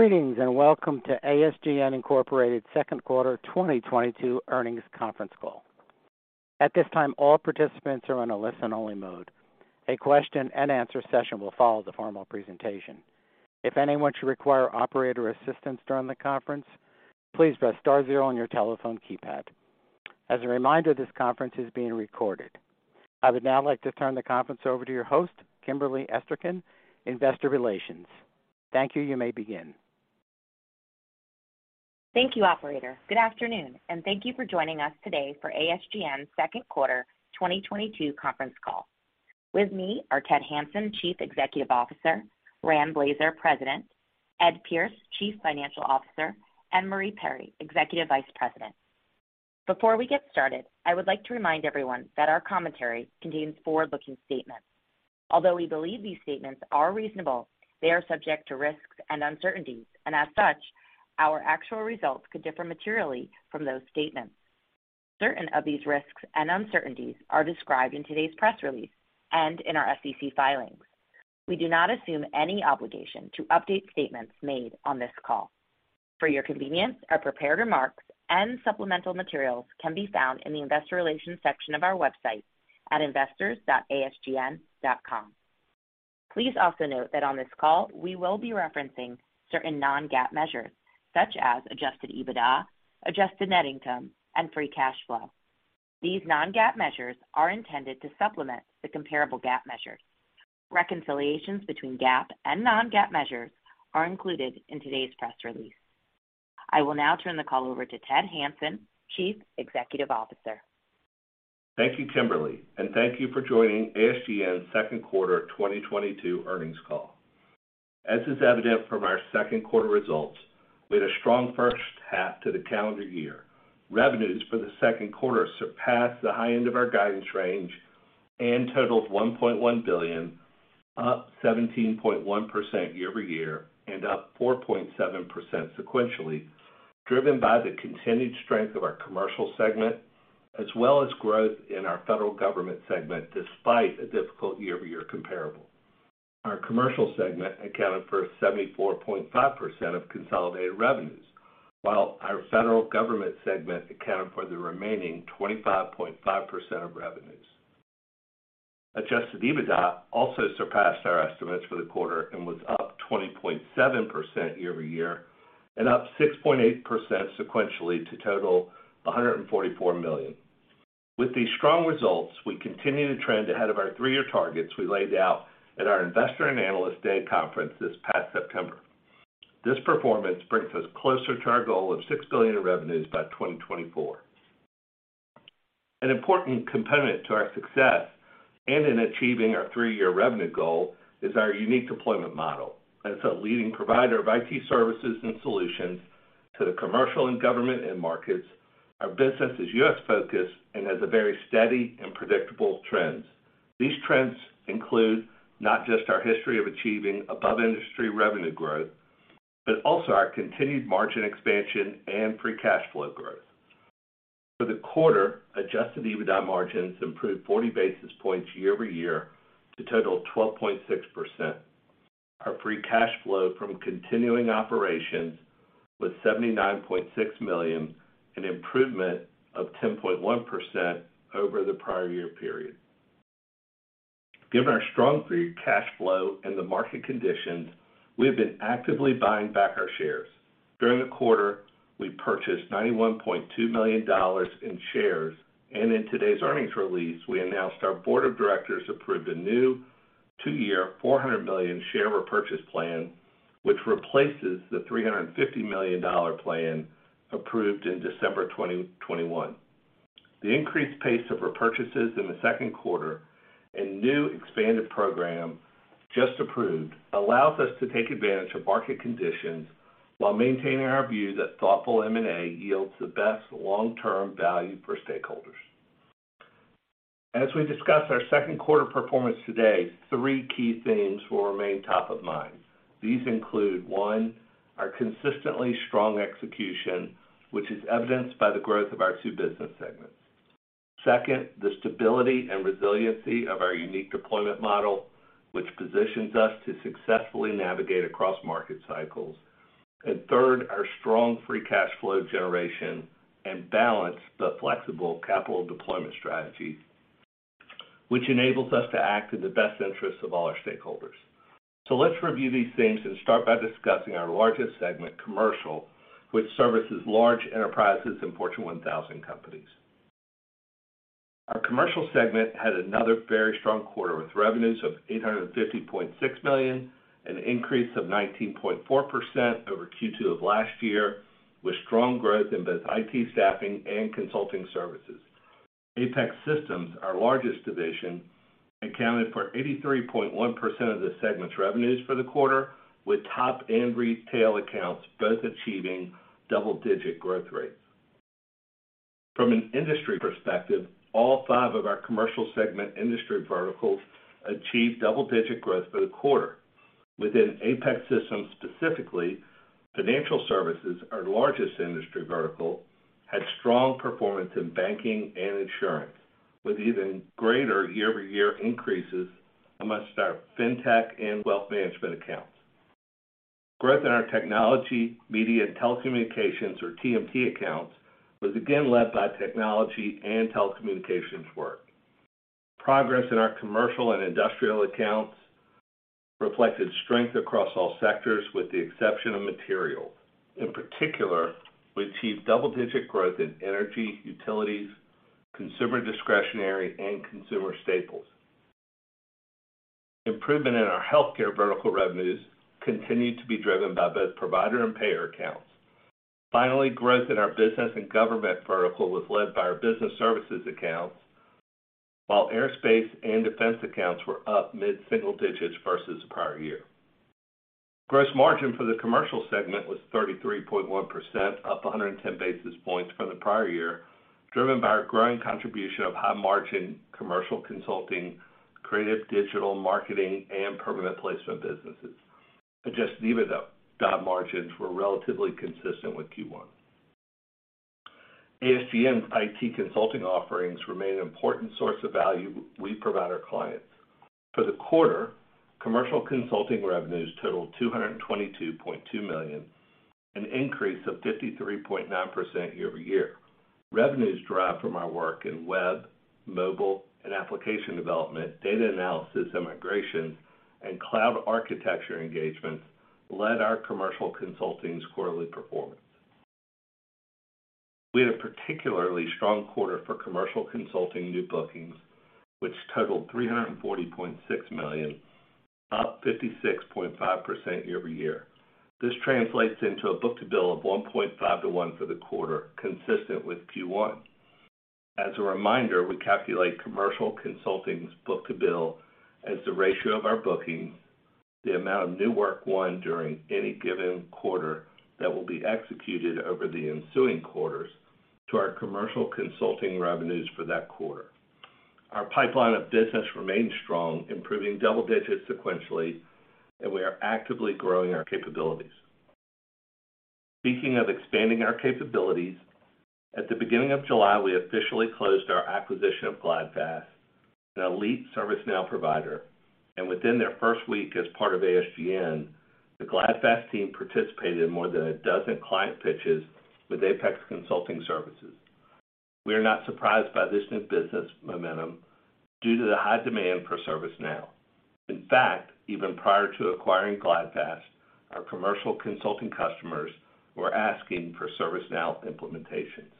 Greetings, and welcome to ASGN Incorporated second quarter 2022 earnings conference call. At this time, all participants are in a listen-only mode. A question-and-answer session will follow the formal presentation. If anyone should require operator assistance during the conference, please press star zero on your telephone keypad. As a reminder, this conference is being recorded. I would now like to turn the conference over to your host, Kimberly Esterkin, Investor Relations. Thank you. You may begin. Thank you, operator. Good afternoon, and thank you for joining us today for ASGN second quarter 2022 conference call. With me are Ted Hanson, Chief Executive Officer, Rand Blazer, President, Ed Pierce, Chief Financial Officer, and Marie Perry, Executive Vice President. Before we get started, I would like to remind everyone that our commentary contains forward-looking statements. Although we believe these statements are reasonable, they are subject to risks and uncertainties, and as such, our actual results could differ materially from those statements. Certain of these risks and uncertainties are described in today's press release and in our SEC filings. We do not assume any obligation to update statements made on this call. For your convenience, our prepared remarks and supplemental materials can be found in the investor relations section of our website at investors.asgn.com. Please also note that on this call, we will be referencing certain non-GAAP measures such as Adjusted EBITDA, Adjusted net income, and Free Cash Flow. These non-GAAP measures are intended to supplement the comparable GAAP measures. Reconciliations between GAAP and non-GAAP measures are included in today's press release. I will now turn the call over to Ted Hanson, Chief Executive Officer. Thank you, Kimberly, and thank you for joining ASGN second quarter 2022 earnings call. As is evident from our second quarter results, we had a strong first half to the calendar year. Revenues for the second quarter surpassed the high end of our guidance range and totaled $1.1 billion, up 17.1% year-over-year and up 4.7% sequentially, driven by the continued strength of our commercial segment as well as growth in our federal government segment despite a difficult year-over-year comparable. Our commercial segment accounted for 74.5% of consolidated revenues, while our federal government segment accounted for the remaining 25.5% of revenues. Adjusted EBITDA also surpassed our estimates for the quarter and was up 20.7% year-over-year and up 6.8% sequentially to total $144 million. With these strong results, we continue to trend ahead of our three-year targets we laid out at our Investor and Analyst Day conference this past September. This performance brings us closer to our goal of $6 billion in revenues by 2024. An important component to our success and in achieving our three-year revenue goal is our unique deployment model. As a leading provider of IT services and solutions to the commercial and government end markets, our business is U.S.-focused and has a very steady and predictable trends. These trends include not just our history of achieving above-industry revenue growth, but also our continued margin expansion and Free Cash Flow growth. For the quarter, Adjusted EBITDA margins improved 40 basis points year-over-year to total 12.6%. Our Free Cash Flow from continuing operations was $79.6 million, an improvement of 10.1% over the prior year period. Given our strong Free Cash Flow and the market conditions, we have been actively buying back our shares. During the quarter, we purchased $91.2 million in shares, and in today's earnings release, we announced our board of directors approved a new two-year, $400 million share repurchase plan, which replaces the $350 million plan approved in December 2021. The increased pace of repurchases in the second quarter and new expanded program just approved allows us to take advantage of market conditions while maintaining our view that thoughtful M&A yields the best long-term value for stakeholders. As we discuss our second quarter performance today, three key themes will remain top of mind. These include, one, our consistently strong execution, which is evidenced by the growth of our two business segments. Second, the stability and resiliency of our unique deployment model, which positions us to successfully navigate across market cycles. Third, our strong Free Cash Flow generation and balanced but flexible capital deployment strategy, which enables us to act in the best interests of all our stakeholders. Let's review these themes and start by discussing our largest segment, commercial, which services large enterprises and Fortune 1000 companies. Our commercial segment had another very strong quarter, with revenues of $850.6 million, an increase of 19.4% over Q2 of last year, with strong growth in both IT staffing and consulting services. Apex Systems, our largest division, accounted for 83.1% of the segment's revenues for the quarter, with top and retail accounts both achieving double-digit growth rates. From an industry perspective, all five of our commercial segment industry verticals achieved double-digit growth for the quarter. Within Apex Systems specifically, financial services, our largest industry vertical, had strong performance in banking and insurance, with even greater year-over-year increases among our fintech and wealth management accounts. Growth in our technology, media and telecommunications or TMT accounts was again led by technology and telecommunications work. Progress in our commercial and industrial accounts reflected strength across all sectors with the exception of material. In particular, we achieved double-digit growth in energy, utilities, consumer discretionary and consumer staples. Improvement in our healthcare vertical revenues continued to be driven by both provider and payer accounts. Finally, growth in our business and government vertical was led by our business services accounts, while aerospace and defense accounts were up mid-single digits versus the prior year. Gross margin for the commercial segment was 33.1%, up 110 basis points from the prior year, driven by our growing contribution of high margin commercial consulting, creative digital marketing, and permanent placement businesses. Adjusted EBITDA margins were relatively consistent with Q1. ASGN IT consulting offerings remain an important source of value we provide our clients. For the quarter, commercial consulting revenues totaled $222.2 million, an increase of 53.9% year-over-year. Revenues derived from our work in web, mobile and application development, data analysis and migration, and cloud architecture engagements led our commercial consulting's quarterly performance. We had a particularly strong quarter for commercial consulting new bookings, which totaled $340.6 million, up 56.5% year-over-year. This translates into a book-to-bill of 1.5 to 1 for the quarter, consistent with Q1. As a reminder, we calculate commercial consulting's book-to-bill as the ratio of our bookings, the amount of new work won during any given quarter that will be executed over the ensuing quarters to our commercial consulting revenues for that quarter. Our pipeline of business remains strong, improving double digits sequentially, and we are actively growing our capabilities. Speaking of expanding our capabilities, at the beginning of July, we officially closed our acquisition of GlideFast, an elite ServiceNow provider, and within their first week as part of ASGN, the GlideFast team participated in more than a dozen client pitches with Apex Consulting Services. We are not surprised by this new business momentum due to the high demand for ServiceNow. In fact, even prior to acquiring GlideFast, our commercial consulting customers were asking for ServiceNow implementations.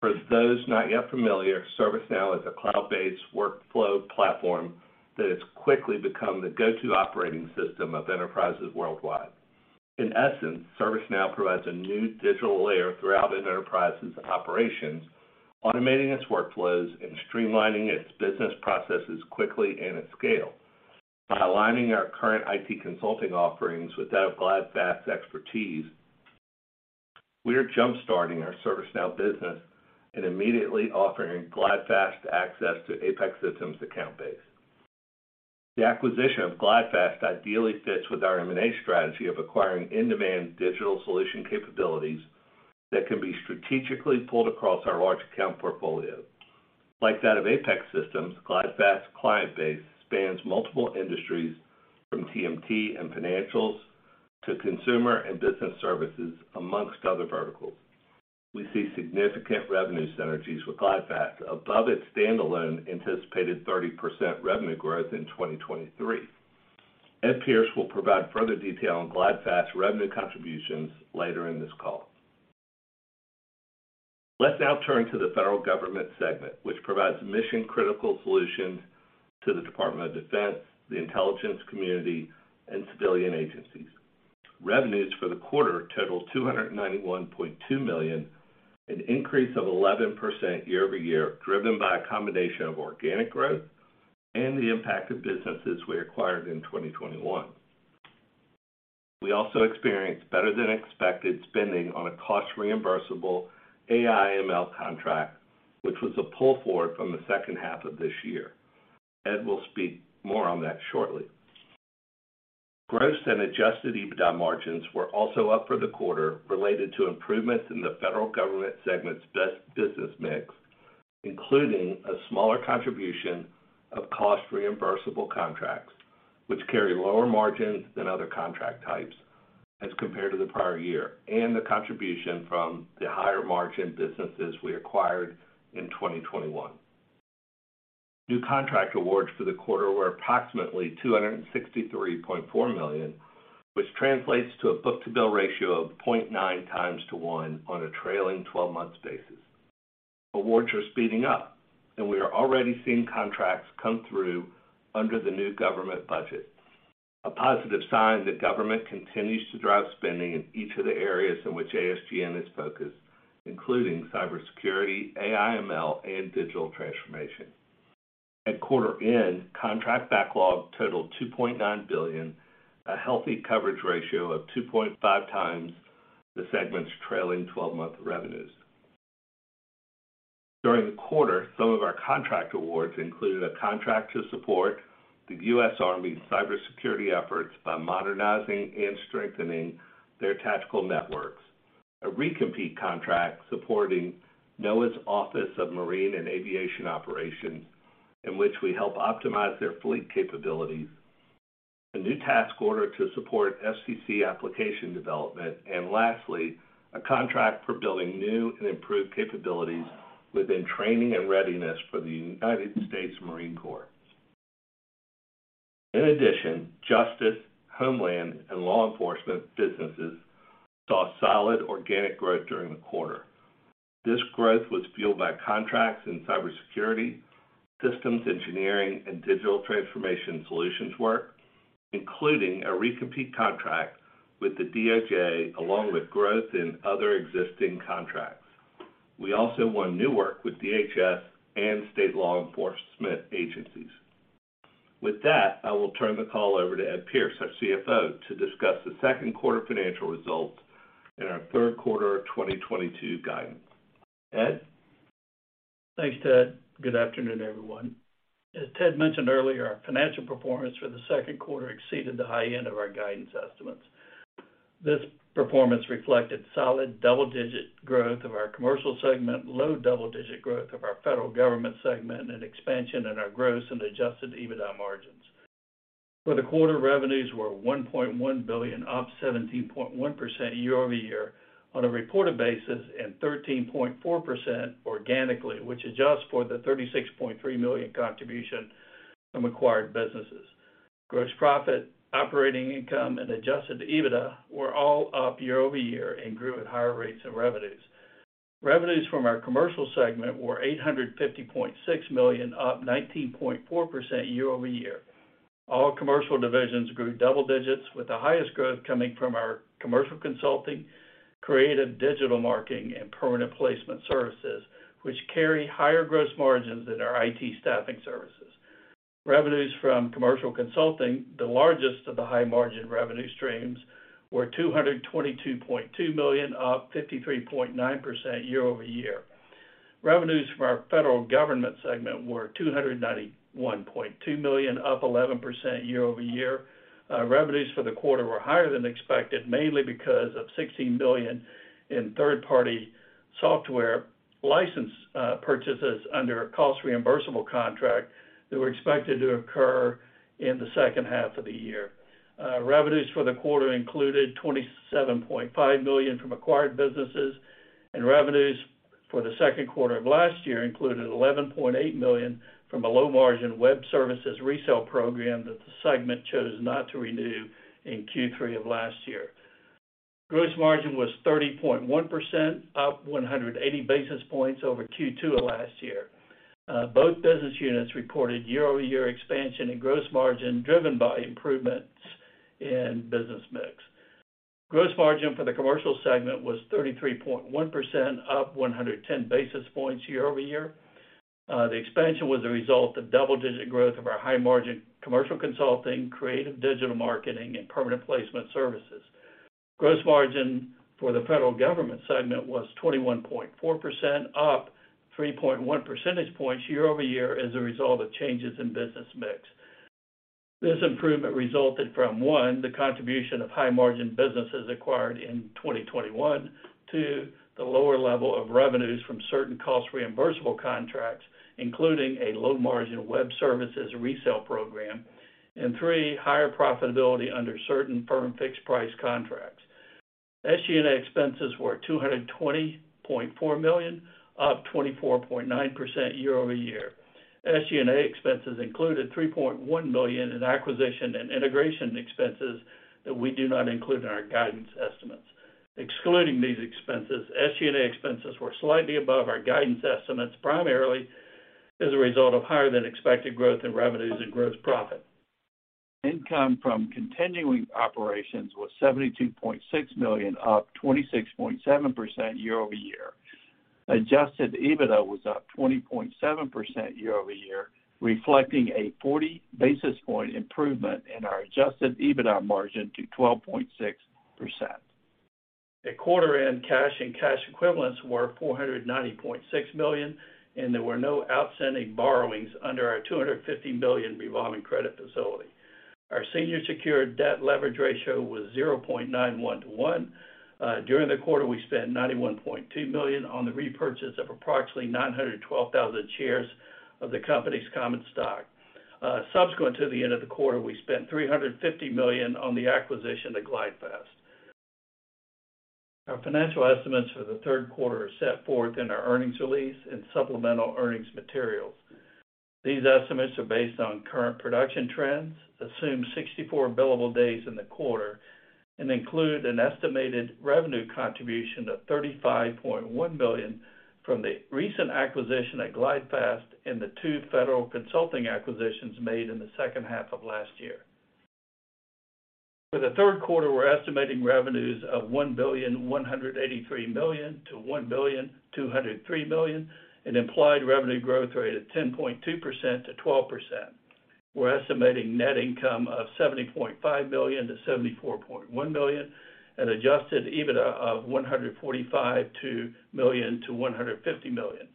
For those not yet familiar, ServiceNow is a cloud-based workflow platform that has quickly become the go-to operating system of enterprises worldwide. In essence, ServiceNow provides a new digital layer throughout an enterprise's operations, automating its workflows and streamlining its business processes quickly and at scale. By aligning our current IT consulting offerings with that of GlideFast's expertise, we are jump-starting our ServiceNow business and immediately offering GlideFast access to Apex Systems' account base. The acquisition of GlideFast ideally fits with our M&A strategy of acquiring in-demand digital solution capabilities that can be strategically pulled across our large account portfolio. Like that of Apex Systems, GlideFast's client base spans multiple industries from TMT and financials to consumer and business services, among other verticals. We see significant revenue synergies with GlideFast above its standalone anticipated 30% revenue growth in 2023. Ed Pierce will provide further detail on GlideFast's revenue contributions later in this call. Let's now turn to the federal government segment, which provides mission-critical solutions to the Department of Defense, the intelligence community, and civilian agencies. Revenues for the quarter totaled $291.2 million, an increase of 11% year-over-year, driven by a combination of organic growth and the impact of businesses we acquired in 2021. We also experienced better than expected spending on a cost-reimbursable AI ML contract, which was a pull forward from the second half of this year. Ed will speak more on that shortly. Gross and Adjusted EBITDA margins were also up for the quarter related to improvements in the federal government segment's best business mix, including a smaller contribution of cost-reimbursable contracts, which carry lower margins than other contract types as compared to the prior year, and the contribution from the higher-margin businesses we acquired in 2021. New contract awards for the quarter were approximately $263.4 million, which translates to a book-to-bill ratio of 0.9x-1x on a trailing twelve months basis. Awards are speeding up, and we are already seeing contracts come through under the new government budget, a positive sign that government continues to drive spending in each of the areas in which ASGN is focused, including cybersecurity, AIML, and digital transformation. At quarter end, contract backlog totaled $2.9 billion, a healthy coverage ratio of 2.5x the segment's trailing 12-month revenues. During the quarter, some of our contract awards included a contract to support the U.S. Army cybersecurity efforts by modernizing and strengthening their tactical networks. A re-compete contract supporting NOAA's Office of Marine and Aviation Operations, in which we help optimize their fleet capabilities. A new task order to support FCC application development, and lastly, a contract for building new and improved capabilities within training and readiness for the United States Marine Corps. In addition, Justice, Homeland, and Law Enforcement businesses saw solid organic growth during the quarter. This growth was fueled by contracts in cybersecurity, systems engineering, and digital transformation solutions work, including a re-compete contract with the DOJ, along with growth in other existing contracts. We also won new work with DHS and state law enforcement agencies. With that, I will turn the call over to Ed Pierce, our CFO, to discuss the second quarter financial results and our third quarter of 2022 guidance. Ed? Thanks, Ted. Good afternoon, everyone. As Ted mentioned earlier, our financial performance for the second quarter exceeded the high end of our guidance estimates. This performance reflected solid double-digit growth of our commercial segment, low double-digit growth of our federal government segment, and expansion in our gross and Adjusted EBITDA margins. For the quarter, revenues were $1.1 billion, up 17.1% year-over-year on a reported basis, and 13.4% organically, which adjusts for the $36.3 million contribution from acquired businesses. Gross profit, operating income, and Adjusted EBITDA were all up year-over-year and grew at higher rates of revenues. Revenues from our commercial segment were $850.6 million, up 19.4% year-over-year. All commercial divisions grew double digits, with the highest growth coming from our commercial consulting, creative digital marketing, and permanent placement services, which carry higher gross margins than our IT staffing services. Revenues from commercial consulting, the largest of the high-margin revenue streams, were $222.2 million, up 53.9% year-over-year. Revenues from our federal government segment were $291.2 million, up 11% year-over-year. Revenues for the quarter were higher than expected, mainly because of $16 million in third-party software license purchases under a cost-reimbursable contract that were expected to occur in the second half of the year. Revenues for the quarter included $27.5 million from acquired businesses, and revenues for the second quarter of last year included $11.8 million from a low-margin web services resale program that the segment chose not to renew in Q3 of last year. Gross margin was 30.1%, up 180 basis points over Q2 of last year. Both business units reported year-over-year expansion in gross margin driven by improvements in business mix. Gross margin for the commercial segment was 33.1%, up 110 basis points year over year. The expansion was a result of double-digit growth of our high-margin commercial consulting, creative digital marketing, and permanent placement services. Gross margin for the federal government segment was 21.4%, up 3.1 percentage points year-over-year as a result of changes in business mix. This improvement resulted from, one, the contribution of high-margin businesses acquired in 2021, two, the lower level of revenues from certain cost-reimbursable contracts, including a low-margin web services resale program, and three, higher profitability under certain firm fixed-price contracts. SG&A expenses were $220.4 million, up 24.9% year-over-year. SG&A expenses included $3.1 million in acquisition and integration expenses that we do not include in our guidance estimates. Excluding these expenses, SG&A expenses were slightly above our guidance estimates, primarily as a result of higher than expected growth in revenues and gross profit. Income from continuing operations was $72.6 million, up 26.7% year-over-year. Adjusted EBITDA was up 20.7% year-over-year, reflecting a 40 basis point improvement in our Adjusted EBITDA margin to 12.6%. At quarter end, cash and cash equivalents were $490.6 million, and there were no outstanding borrowings under our $250 million revolving credit facility. Our senior secured debt leverage ratio was 0.91:1. During the quarter, we spent $91.2 million on the repurchase of approximately 912,000 shares of the company's common stock. Subsequent to the end of the quarter, we spent $350 million on the acquisition of GlideFast. Our financial estimates for the third quarter are set forth in our earnings release and supplemental earnings materials. These estimates are based on current production trends, assume 64 billable days in the quarter, and include an estimated revenue contribution of $35.1 million from the recent acquisition at GlideFast and the two federal consulting acquisitions made in the second half of last year. For the third quarter, we're estimating revenues of $1.183 billion-$1.203 billion, an implied revenue growth rate of 10.2%-12%. We're estimating net income of $70.5 million-$74.1 million and Adjusted EBITDA of $145 million-$150 million.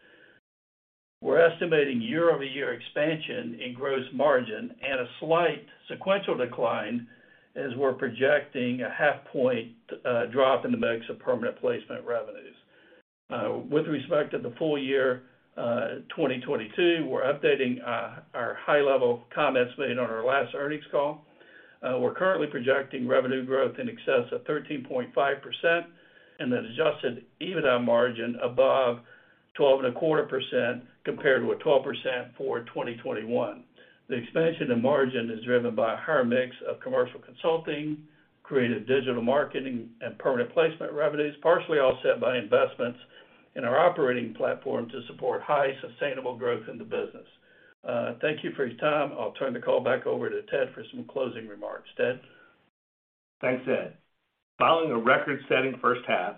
We're estimating year-over-year expansion in gross margin and a slight sequential decline as we're projecting a half-point drop in the mix of permanent placement revenues. With respect to the full year 2022, we're updating our high-level comments made on our last earnings call. We're currently projecting revenue growth in excess of 13.5% and an Adjusted EBITDA margin above 12.25% compared with 12% for 2021. The expansion in margin is driven by a higher mix of commercial consulting, creative digital marketing, and permanent placement revenues, partially offset by investments in our operating platform to support high sustainable growth in the business. Thank you for your time. I'll turn the call back over to Ted for some closing remarks. Ted? Thanks, Ed. Following a record-setting first half,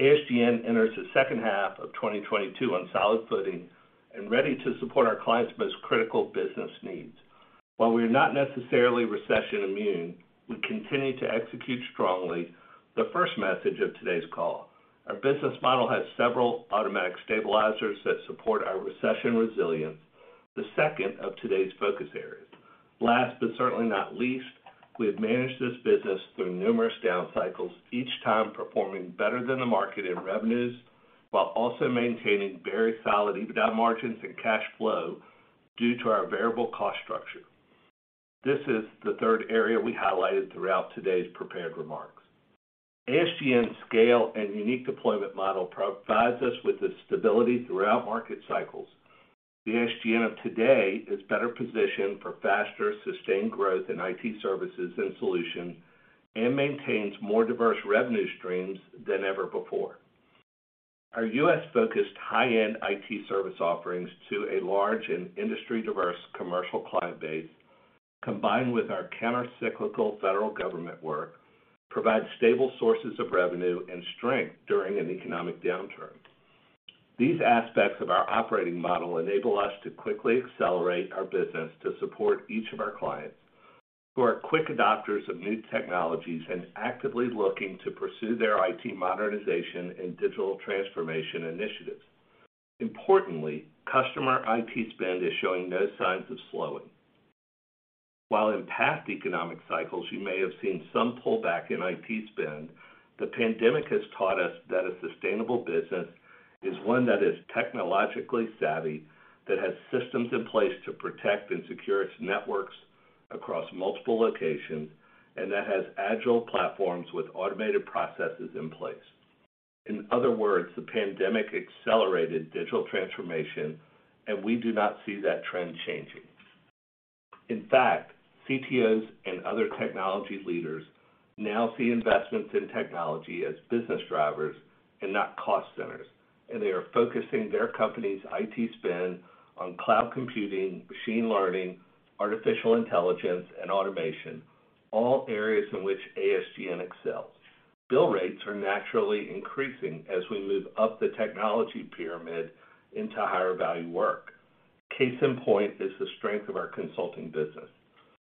ASGN enters the second half of 2022 on solid footing and ready to support our clients' most critical business needs. While we are not necessarily recession immune, we continue to execute strongly the first message of today's call. Our business model has several automatic stabilizers that support our recession resilience, the second of today's focus areas. Last but certainly not least, we have managed this business through numerous down cycles, each time performing better than the market in revenues while also maintaining very solid EBITDA margins and cash flow due to our variable cost structure. This is the third area we highlighted throughout today's prepared remarks. ASGN's scale and unique deployment model provides us with the stability throughout market cycles. The ASGN of today is better positioned for faster, sustained growth in IT services and solutions and maintains more diverse revenue streams than ever before. Our U.S.-focused high-end IT service offerings to a large and industry-diverse commercial client base, combined with our counter-cyclical federal government work, provide stable sources of revenue and strength during an economic downturn. These aspects of our operating model enable us to quickly accelerate our business to support each of our clients, who are quick adopters of new technologies and actively looking to pursue their IT modernization and digital transformation initiatives. Importantly, customer IT spend is showing no signs of slowing. While in past economic cycles you may have seen some pullback in IT spend, the pandemic has taught us that a sustainable business is one that is technologically savvy, that has systems in place to protect and secure its networks across multiple locations, and that has agile platforms with automated processes in place. In other words, the pandemic accelerated digital transformation, and we do not see that trend changing. In fact, CTOs and other technology leaders now see investments in technology as business drivers and not cost centers, and they are focusing their company's IT spend on cloud computing, machine learning, artificial intelligence, and automation, all areas in which ASGN excels. Bill rates are naturally increasing as we move up the technology pyramid into higher value work. Case in point is the strength of our consulting business.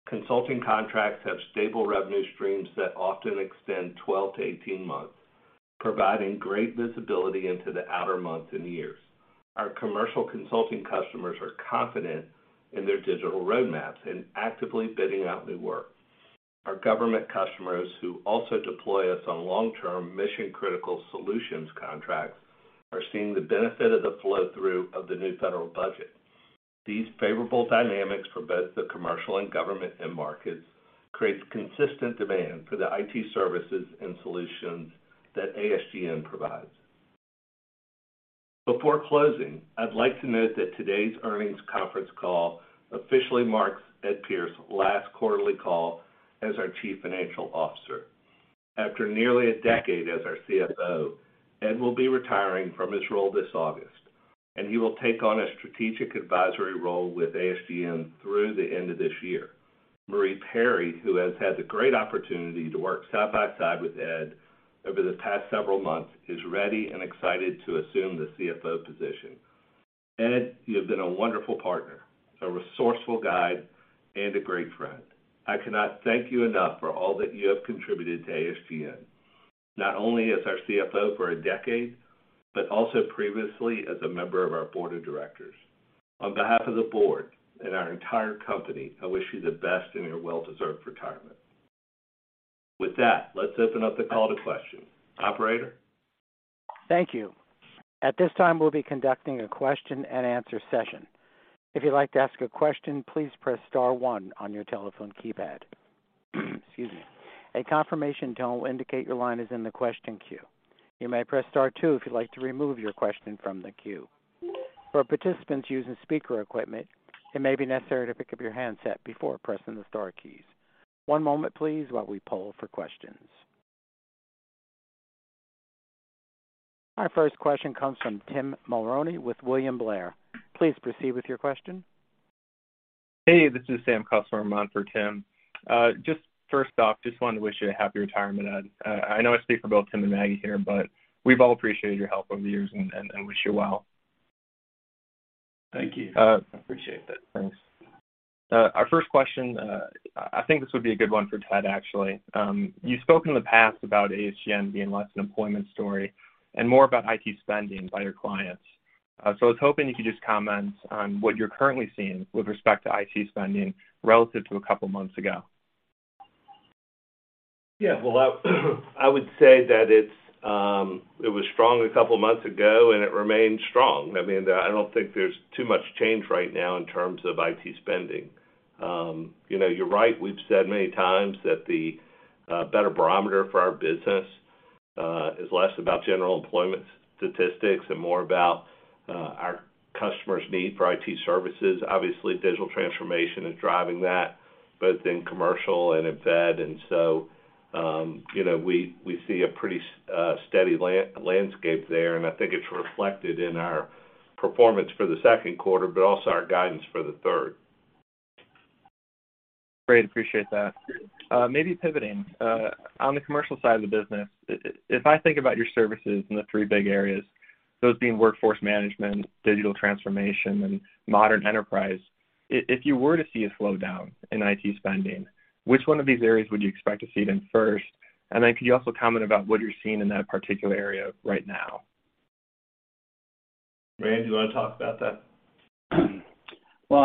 Consulting contracts have stable revenue streams that often extend 12-18 months, providing great visibility into the outer months and years. Our commercial consulting customers are confident in their digital roadmaps and actively bidding out new work. Our government customers, who also deploy us on long-term mission-critical solutions contracts, are seeing the benefit of the flow-through of the new federal budget. These favorable dynamics for both the commercial and government end markets creates consistent demand for the IT services and solutions that ASGN provides. Before closing, I'd like to note that today's earnings conference call officially marks Ed Pierce's last quarterly call as our chief financial officer. After nearly a decade as our CFO, Ed will be retiring from his role this August, and he will take on a strategic advisory role with ASGN through the end of this year. Marie Perry, who has had the great opportunity to work side by side with Ed over the past several months, is ready and excited to assume the CFO position. Ed, you have been a wonderful partner, a resourceful guide, and a great friend. I cannot thank you enough for all that you have contributed to ASGN, not only as our CFO for a decade, but also previously as a member of our board of directors. On behalf of the board and our entire company, I wish you the best in your well-deserved retirement. With that, let's open up the call to questions. Operator? Thank you. At this time, we'll be conducting a question-and-answer session. If you'd like to ask a question, please press star one on your telephone keypad. Excuse me. A confirmation tone will indicate your line is in the question queue. You may press Star two if you'd like to remove your question from the queue. For participants using speaker equipment, it may be necessary to pick up your handset before pressing the star keys. One moment, please, while we poll for questions. Our first question comes from Tim Maloney with William Blair. Please proceed with your question. Hey, this is Sam Kusswurm for Tim. Just first off, just wanted to wish you a happy retirement, Ed. I know I speak for both Tim and Maggie here, but we've all appreciated your help over the years and wish you well. Thank you. Appreciate that. Thanks. Our first question, I think this would be a good one for Ted, actually. You spoke in the past about ASGN being less an employment story and more about IT spending by your clients. I was hoping you could just comment on what you're currently seeing with respect to IT spending relative to a couple of months ago. Yeah. Well, I would say that it's, it was strong a couple of months ago, and it remains strong. I mean, I don't think there's too much change right now in terms of IT spending. You know, you're right. We've said many times that the better barometer for our business is less about general employment statistics and more about our customers' need for IT services. Obviously, digital transformation is driving that, both in commercial and in fed. You know, we see a pretty steady lay of the landscape there, and I think it's reflected in our performance for the second quarter, but also our guidance for the third. Great. Appreciate that. Maybe pivoting on the commercial side of the business, if I think about your services in the three big areas, those being workforce management, digital transformation, and modern enterprise, if you were to see a slowdown in IT spending, which one of these areas would you expect to see it in first? And then could you also comment about what you're seeing in that particular area right now? Rand, do you want to talk about that?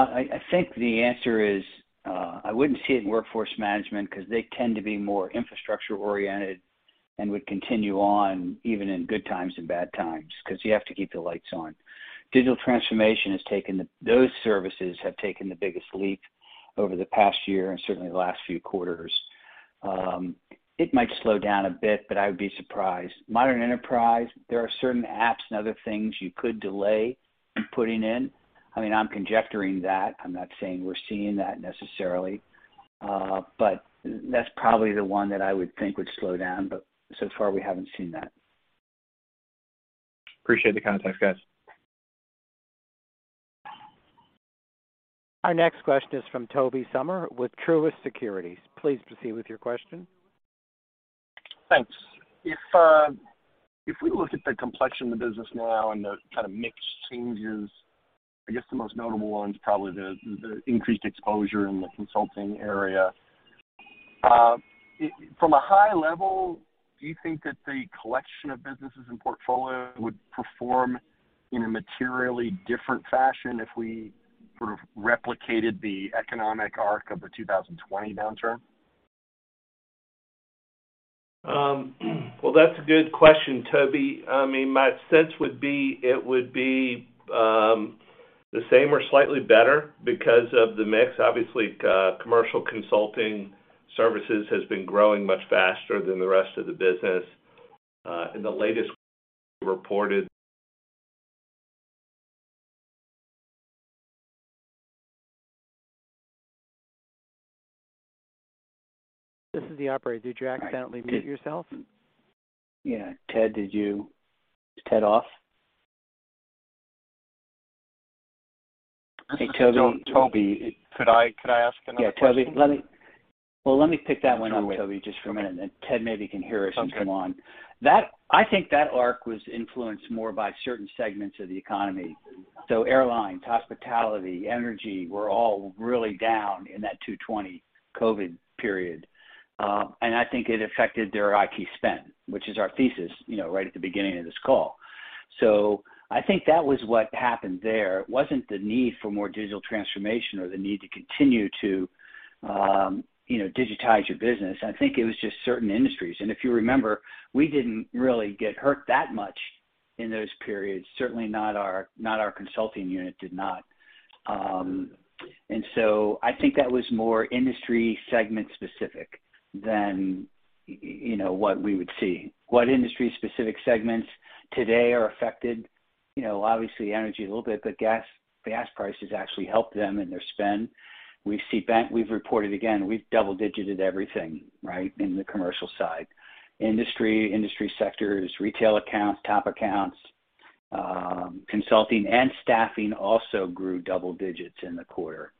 I think the answer is, I wouldn't see it in workforce management because they tend to be more infrastructure-oriented and would continue on even in good times and bad times because you have to keep the lights on. Those services have taken the biggest leap over the past year and certainly the last few quarters. It might slow down a bit, but I would be surprised. Modern enterprise, there are certain apps and other things you could delay in putting in. I mean, I'm conjecturing that. I'm not saying we're seeing that necessarily, but that's probably the one that I would think would slow down. So far we haven't seen that. Appreciate the context, guys. Our next question is from Tobey Sommer with Truist Securities. Please proceed with your question. Thanks. If we look at the complexion of the business now and the kind of mix changes, I guess the most notable one is probably the increased exposure in the consulting area. From a high level, do you think that the collection of businesses and portfolio would perform in a materially different fashion if we sort of replicated the economic arc of the 2020 downturn? Well, that's a good question, Toby. I mean, my sense would be it would be the same or slightly better because of the mix. Obviously, commercial consulting services has been growing much faster than the rest of the business. This is the operator. Did you accidentally mute yourself? Yeah. Is Ted off? Hey, Toby. Toby, could I ask another question? Yeah, Toby, well, let me pick that one up, Toby, just for a minute, and then Ted maybe can hear us and come on. Okay. I think that arc was influenced more by certain segments of the economy. Airlines, hospitality, energy were all really down in that 2020 COVID period. I think it affected their IT spend, which is our thesis, you know, right at the beginning of this call. I think that was what happened there. It wasn't the need for more digital transformation or the need to continue to, you know, digitize your business. I think it was just certain industries. If you remember, we didn't really get hurt that much in those periods. Certainly not our consulting unit did not. I think that was more industry segment specific than, you know, what we would see. What industry specific segments today are affected? You know, obviously energy a little bit, but gas prices actually helped them in their spend. We've reported again, we've double-digit everything, right, in the commercial side. Industry sectors, retail accounts, top accounts, consulting and staffing also grew double digits in the quarter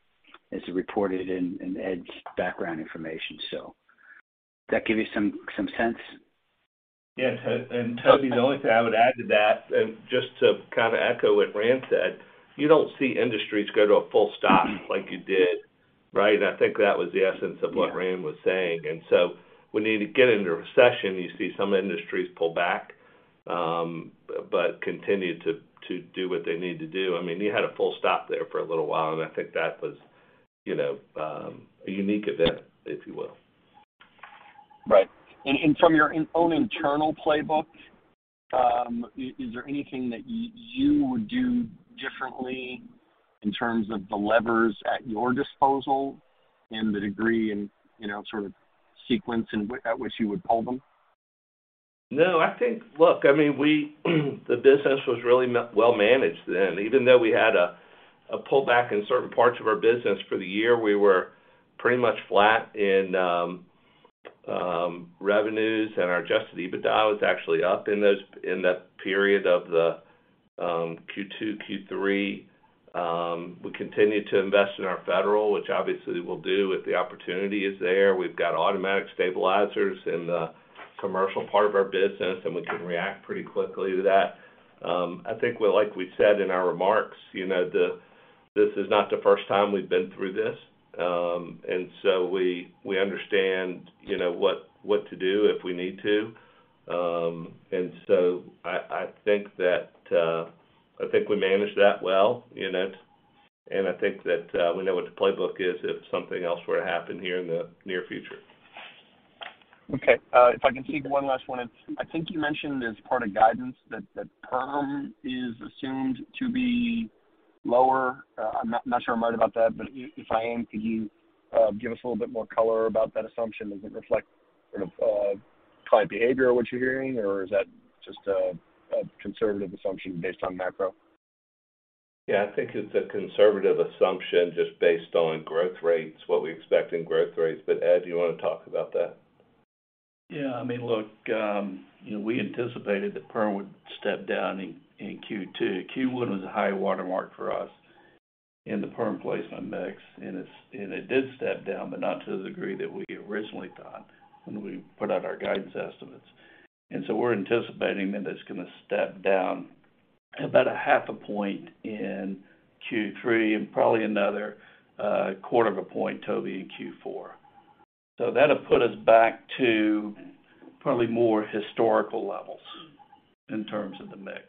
as reported in Ed's background information. Does that give you some sense? Yes. Toby, the only thing I would add to that, just to kind of echo what Rand said, you don't see industries go to a full stop like you did, right? I think that was the essence of what Rand was saying. When you get into a recession, you see some industries pull back, but continue to do what they need to do. I mean, you had a full stop there for a little while, and I think that was, you know, a unique event, if you will. Right. From your own internal playbook, is there anything that you would do differently in terms of the levers at your disposal and the degree and, you know, sort of sequence at which you would pull them? No, I think. Look, I mean, the business was really well managed then. Even though we had a pullback in certain parts of our business for the year, we were pretty much flat in revenues, and our Adjusted EBITDA was actually up in that period of the Q2, Q3. We continued to invest in our federal, which obviously we'll do if the opportunity is there. We've got automatic stabilizers in the commercial part of our business, and we can react pretty quickly to that. I think like we said in our remarks, you know, this is not the first time we've been through this. We understand, you know, what to do if we need to. I think we managed that well, you know. I think that we know what the playbook is if something else were to happen here in the near future. Okay. If I can sneak one last one in. I think you mentioned as part of guidance that perm is assumed to be lower. I'm not sure I'm right about that. But if I am, could you give us a little bit more color about that assumption? Does it reflect sort of client behavior, what you're hearing, or is that just a conservative assumption based on macro? Yeah, I think it's a conservative assumption just based on growth rates, what we expect in growth rates. Ed, do you wanna talk about that? Yeah. I mean, look, you know, we anticipated that perm would step down in Q2. Q1 was a high watermark for us in the perm placement mix, and it did step down, but not to the degree that we originally thought when we put out our guidance estimates. We're anticipating that it's gonna step down about a half a point in Q3 and probably another quarter of a point, Toby, in Q4. That'll put us back to probably more historical levels in terms of the mix.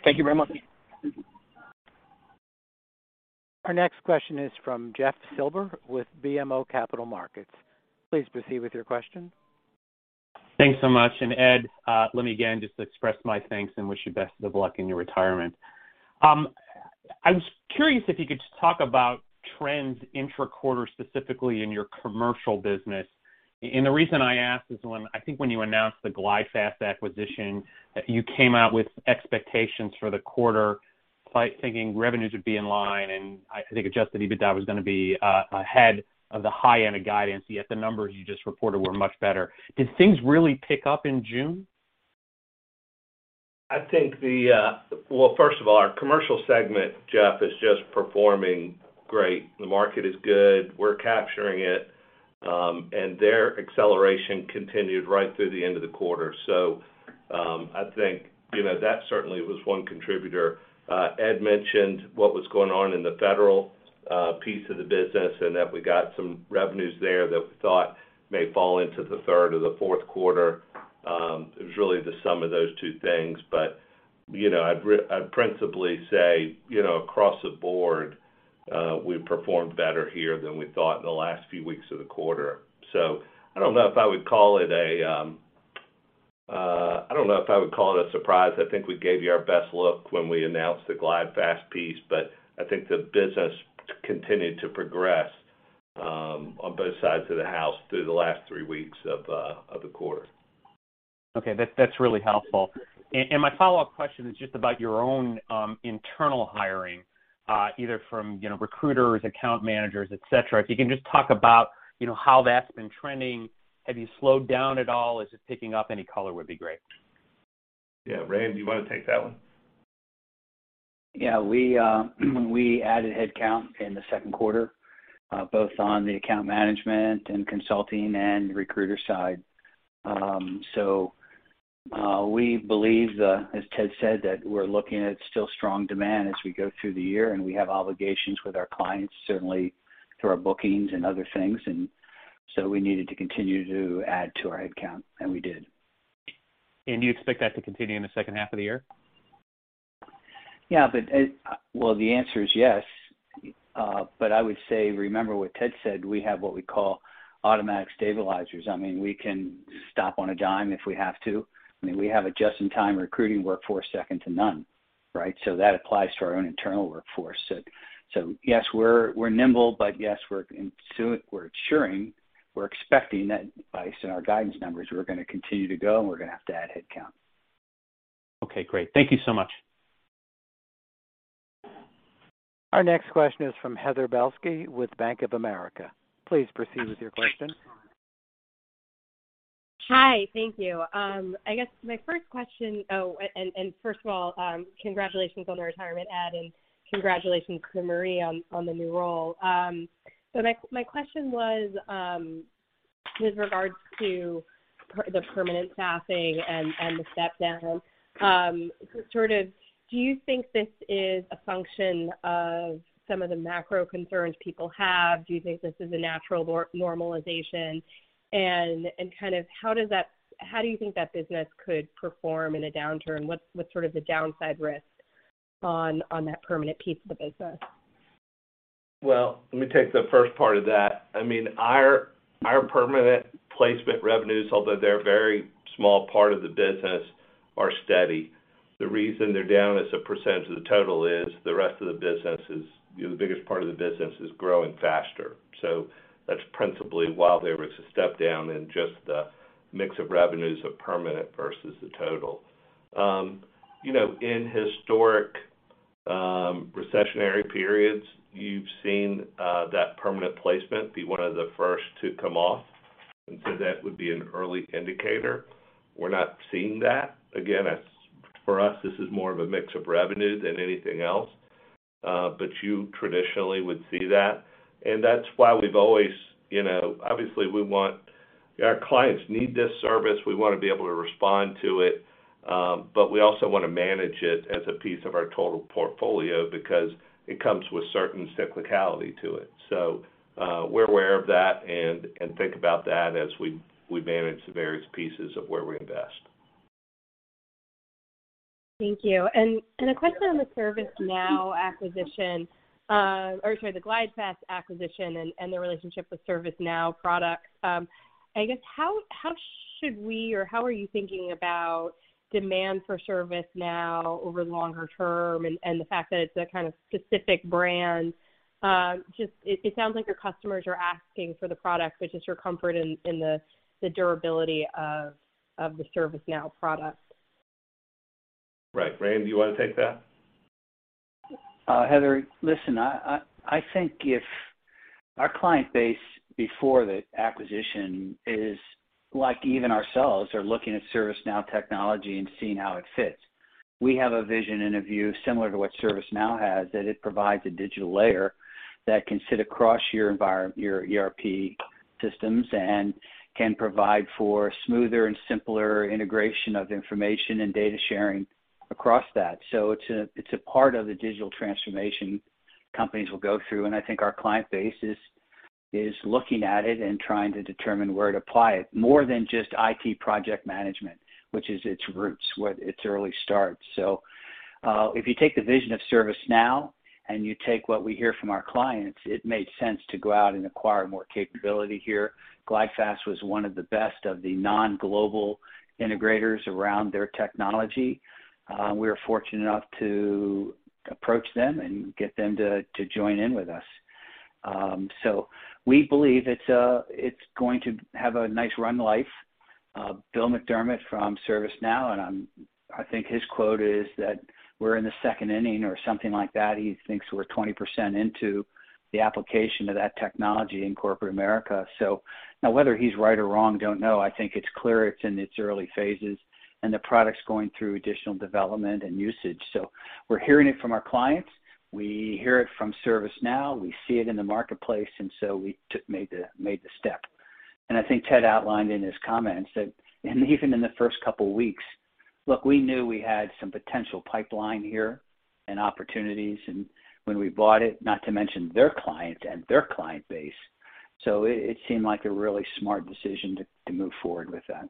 Okay. Thank you very much. Our next question is from Jeff Silber with BMO Capital Markets. Please proceed with your question. Thanks so much. Ed, let me again just express my thanks and wish you the best of luck in your retirement. I was curious if you could just talk about trends intra-quarter, specifically in your commercial business. The reason I ask is, I think, when you announced the GlideFast acquisition, you came out with expectations for the quarter, thinking revenues would be in line, and I think Adjusted EBITDA was gonna be ahead of the high end of guidance, yet the numbers you just reported were much better. Did things really pick up in June? I think, well, first of all, our commercial segment, Jeff, is just performing great. The market is good. We're capturing it. Their acceleration continued right through the end of the quarter. I think, you know, that certainly was one contributor. Ed mentioned what was going on in the federal piece of the business and that we got some revenues there that we thought may fall into the third or the fourth quarter. It was really the sum of those two things, but, you know, I'd principally say, you know, across the board, we performed better here than we thought in the last few weeks of the quarter. I don't know if I would call it a surprise. I think we gave you our best look when we announced the GlideFast piece, but I think the business continued to progress on both sides of the house through the last three weeks of the quarter. Okay. That's really helpful. My follow-up question is just about your own internal hiring, either from, you know, recruiters, account managers, et cetera. If you can just talk about, you know, how that's been trending. Have you slowed down at all? Is it picking up? Any color would be great. Yeah. Rand, you wanna take that one? Yeah. We added headcount in the second quarter, both on the account management and consulting and recruiter side. We believe, as Ted said, that we're looking at still strong demand as we go through the year, and we have obligations with our clients, certainly through our bookings and other things. We needed to continue to add to our headcount, and we did. Do you expect that to continue in the second half of the year? Yeah, well, the answer is yes. I would say, remember what Ted said. We have what we call automatic stabilizers. I mean, we can stop on a dime if we have to. I mean, we have a just-in-time recruiting workforce second to none, right? That applies to our own internal workforce. Yes, we're nimble, but yes, we're ensuring. We're expecting that based on our guidance numbers, we're gonna continue to go, and we're gonna have to add headcount. Okay, great. Thank you so much. Our next question is from Heather Balsky with Bank of America. Please proceed with your question. Hi. Thank you. I guess my first question. Oh, and first of all, congratulations on the retirement, Ed, and congratulations to Marie on the new role. So my question was, with regards to the permanent staffing and the step down. Sort of do you think this is a function of some of the macro concerns people have? Do you think this is a natural normalization? And kind of how do you think that business could perform in a downturn? What's sort of the downside risk on that permanent piece of the business? Well, let me take the first part of that. I mean, our permanent placement revenues, although they're a very small part of the business, are steady. The reason they're down as a percentage of the total is the rest of the business is, you know, the biggest part of the business is growing faster. That's principally why there was a step down in just the mix of revenues of permanent versus the total. You know, in historic recessionary periods, you've seen that permanent placement be one of the first to come off, and so that would be an early indicator. We're not seeing that. Again, it's for us, this is more of a mix of revenue than anything else. You traditionally would see that. That's why we've always, you know, obviously, we want our clients need this service. We wanna be able to respond to it, but we also wanna manage it as a piece of our total portfolio because it comes with certain cyclicality to it. We're aware of that and think about that as we manage the various pieces of where we invest. Thank you. A question on the ServiceNow acquisition. Or sorry, the GlideFast acquisition and the relationship with ServiceNow products. I guess how should we or how are you thinking about demand for ServiceNow over the longer term and the fact that it's a kind of specific brand? Just it sounds like your customers are asking for the product, but just your comfort in the durability of the ServiceNow product. Right. Randy, do you wanna take that? Heather, listen, I think if our client base before the acquisition is like even ourselves are looking at ServiceNow technology and seeing how it fits. We have a vision and a view similar to what ServiceNow has, that it provides a digital layer that can sit across your ERP systems and can provide for smoother and simpler integration of information and data sharing across that. It's a part of the digital transformation companies will go through, and I think our client base is looking at it and trying to determine where to apply it, more than just IT project management, which is its roots, its early start. If you take the vision of ServiceNow and you take what we hear from our clients, it made sense to go out and acquire more capability here. GlideFast was one of the best of the non-global integrators around their technology. We were fortunate enough to approach them and get them to join in with us. We believe it's going to have a nice runway. Bill McDermott from ServiceNow, and I think his quote is that we're in the second inning or something like that. He thinks we're 20% into the application of that technology in corporate America. Whether he's right or wrong, don't know. I think it's clear it's in its early phases, and the product's going through additional development and usage. We're hearing it from our clients. We hear it from ServiceNow. We see it in the marketplace, and we made the step. I think Ted outlined in his comments that, and even in the first couple weeks. Look, we knew we had some potential pipeline here and opportunities and when we bought it, not to mention their client and their client base. It seemed like a really smart decision to move forward with that.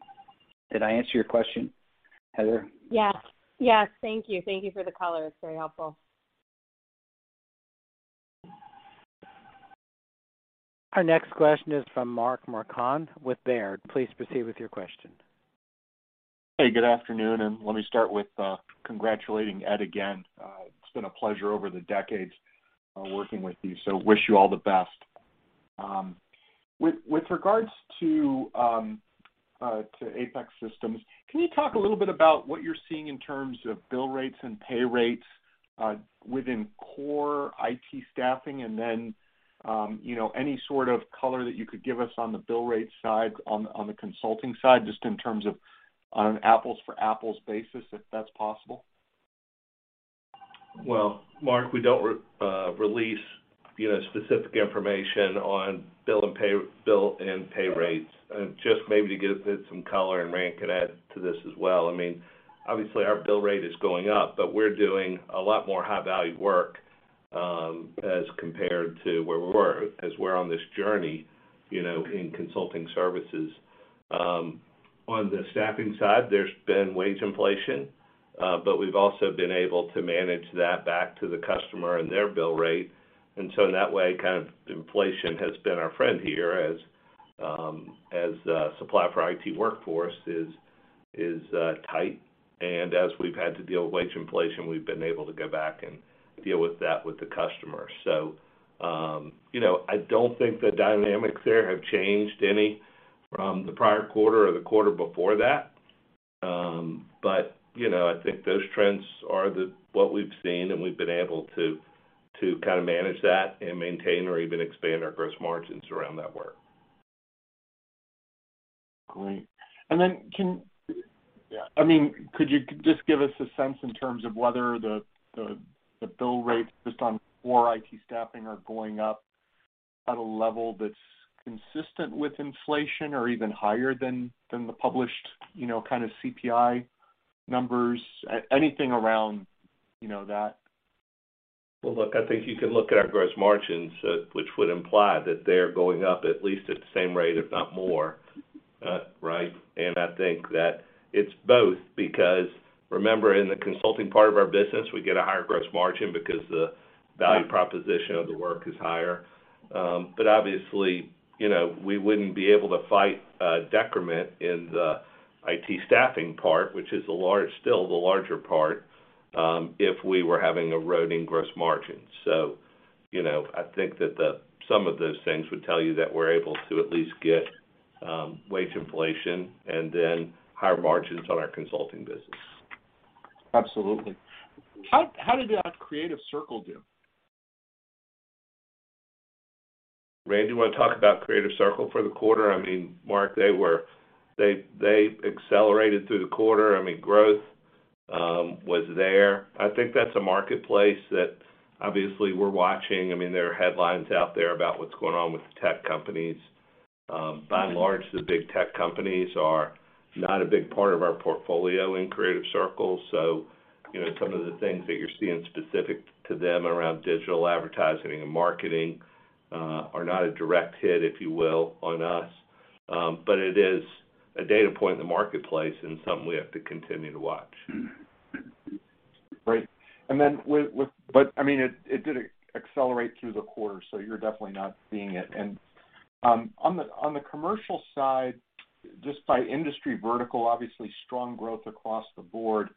Did I answer your question, Heather? Yes. Yes. Thank you. Thank you for the color. It's very helpful. Our next question is from Mark Marcon with Baird. Please proceed with your question. Hey, good afternoon, let me start with congratulating Ed again. It's been a pleasure over the decades working with you. Wish you all the best. With regards to Apex Systems, can you talk a little bit about what you're seeing in terms of bill rates and pay rates within core IT staffing and then you know, any sort of color that you could give us on the bill rate side on the consulting side, just in terms of an apples-to-apples basis, if that's possible? Well, Mark, we don't release, you know, specific information on bill and pay rates. Just maybe to give it some color, and Rand can add to this as well. I mean, obviously our bill rate is going up, but we're doing a lot more high-value work, as compared to where we were as we're on this journey, you know, in consulting services. On the staffing side, there's been wage inflation, but we've also been able to manage that back to the customer and their bill rate. In that way, kind of inflation has been our friend here as supply for IT workforce is tight. As we've had to deal with wage inflation, we've been able to go back and deal with that with the customer. You know, I don't think the dynamics there have changed any from the prior quarter or the quarter before that. You know, I think those trends are what we've seen, and we've been able to kind of manage that and maintain or even expand our gross margins around that work. Great. Could you just give us a sense in terms of whether the bill rates just on core IT staffing are going up at a level that's consistent with inflation or even higher than the published, you know, kind of CPI numbers? Anything around, you know, that? Well, look, I think you can look at our gross margins, which would imply that they're going up at least at the same rate, if not more. Right? I think that it's both because remember, in the consulting part of our business, we get a higher gross margin because the value proposition of the work is higher. Obviously, you know, we wouldn't be able to fight a decrement in the IT staffing part, which is still the larger part, if we were having eroding gross margins. You know, I think that some of those things would tell you that we're able to at least get wage inflation and then higher margins on our consulting business. Absolutely. How did Creative Circle do? Rand, you wanna talk about Creative Circle for the quarter? I mean, Mark, they accelerated through the quarter. I mean, growth was there. I think that's a marketplace that obviously we're watching. I mean, there are headlines out there about what's going on with the tech companies. By and large, the big tech companies are not a big part of our portfolio in Creative Circle. So, you know, some of the things that you're seeing specific to them around digital advertising and marketing are not a direct hit, if you will, on us. But it is a data point in the marketplace and something we have to continue to watch. Right. I mean, it did accelerate through the quarter, so you're definitely not seeing it. On the commercial side, just by industry vertical, obviously strong growth across the board,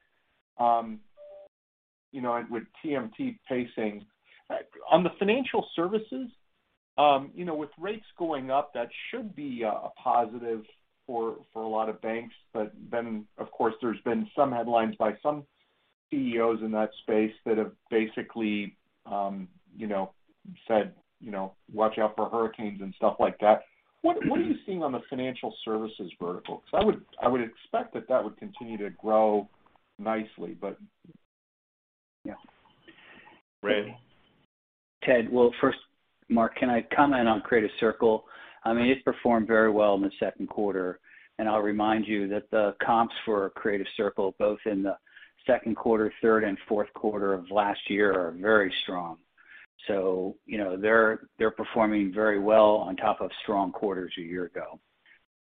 you know, with TMT pacing. On the financial services, you know, with rates going up, that should be a positive for a lot of banks. Of course, there's been some headlines by some CEOs in that space that have basically, you know, said, you know, watch out for hurricanes and stuff like that. What are you seeing on the financial services vertical? 'Cause I would expect that that would continue to grow nicely, but yeah. Rand? Well, first, Mark, can I comment on Creative Circle? I mean, it's performed very well in the second quarter, and I'll remind you that the comps for Creative Circle, both in the second quarter, third and fourth quarter of last year, are very strong. You know, they're performing very well on top of strong quarters a year ago.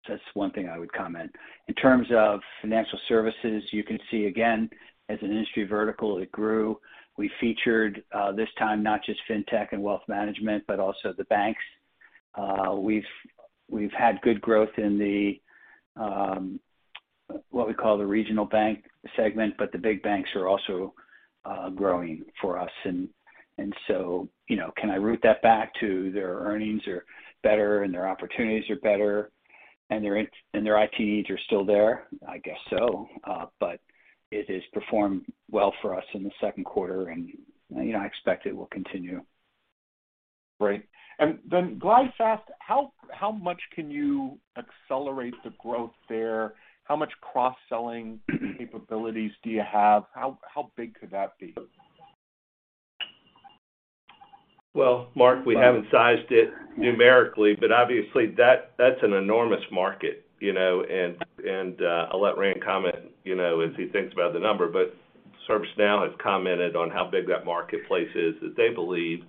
That's one thing I would comment. In terms of financial services, you can see, again, as an industry vertical, it grew. We featured this time not just fintech and wealth management, but also the banks. We've had good growth in the what we call the regional bank segment, but the big banks are also growing for us. You know, can I root that back to their earnings are better and their opportunities are better and their IT needs are still there? I guess so. It has performed well for us in the second quarter, and you know, I expect it will continue. Great. GlideFast, how much can you accelerate the growth there? How much cross-selling capabilities do you have? How big could that be? Well, Mark, we haven't sized it numerically, but obviously that's an enormous market, you know, and I'll let Rand comment, you know, as he thinks about the number. ServiceNow has commented on how big that marketplace is that they believe.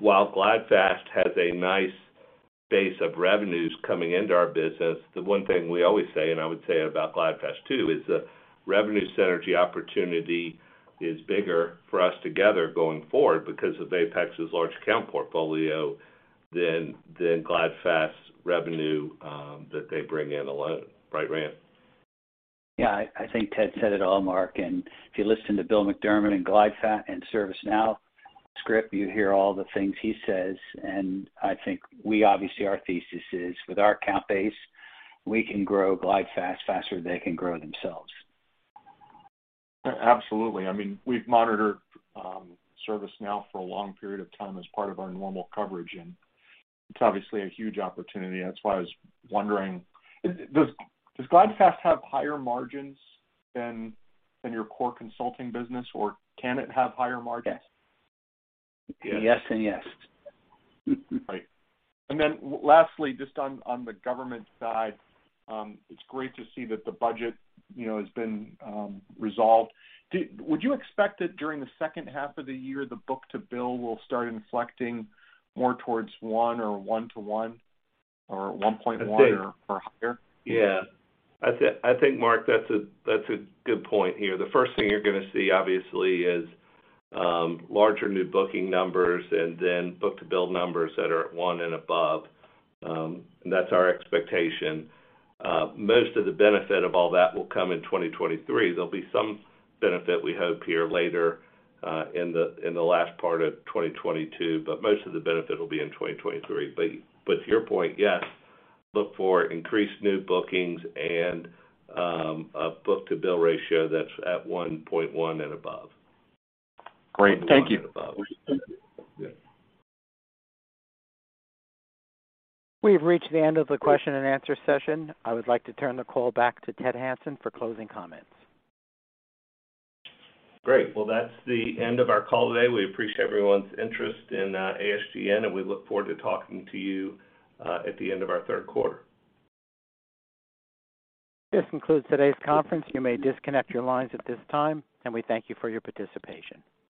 While GlideFast has a nice base of revenues coming into our business, the one thing we always say, and I would say about GlideFast too, is the revenue synergy opportunity is bigger for us together going forward because of Apex's large account portfolio than GlideFast's revenue that they bring in alone. Right, Rand? Yeah. I think Ted said it all, Mark. If you listen to Bill McDermott and GlideFast and ServiceNow script, you hear all the things he says. I think we obviously our thesis is with our account base, we can grow GlideFast faster than they can grow themselves. Absolutely. I mean, we've monitored ServiceNow for a long period of time as part of our normal coverage, and it's obviously a huge opportunity. That's why I was wondering, does GlideFast have higher margins than your core consulting business, or can it have higher margins? Yes. Yes and yes. Right. Lastly, just on the government side, it's great to see that the budget, you know, has been resolved. Would you expect that during the second half of the year, the book-to-bill will start inflecting more towards 1 or 1-1 or 1.1- I think. or higher? Yeah. I think, Mark, that's a good point here. The first thing you're gonna see obviously is larger new booking numbers and then book-to-bill numbers that are at 1 and above. That's our expectation. Most of the benefit of all that will come in 2023. There'll be some benefit, we hope, here later in the last part of 2022, but most of the benefit will be in 2023. To your point, yes, look for increased new bookings and a book-to-bill ratio that's at 1.1 and above. Great. Thank you. Yeah. We have reached the end of the question-and-answer session. I would like to turn the call back to Ted Hanson for closing comments. Great. Well, that's the end of our call today. We appreciate everyone's interest in ASGN, and we look forward to talking to you at the end of our third quarter. This concludes today's conference. You may disconnect your lines at this time, and we thank you for your participation.